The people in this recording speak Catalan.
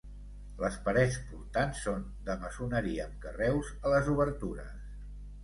Les parets portants són de maçoneria amb carreus a les obertures.